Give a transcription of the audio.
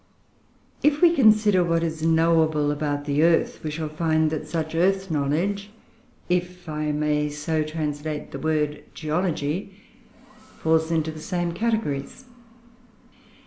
If we consider what is knowable about the earth, we shall find that such earth knowledge if I may so translate the word geology falls into the same categories.